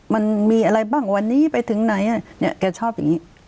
มันมีอะไรบ้างวันนี้ไปถึงไหนเนี่ยแกชอบอย่างนี้